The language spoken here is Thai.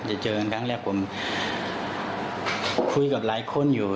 เจอกันครั้งแรกผมคุยกับหลายคนอยู่